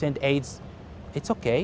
anda bisa membantu kami